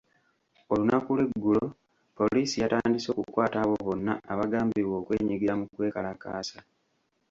Olunaku lw’eggulo poliisi yatandise okukwata abo bonna abagambibwa okwenyigira mu kwekalakaasa.